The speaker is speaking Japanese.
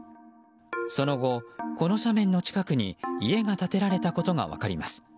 その後、この斜面の近くに家が建てられたことが分かります。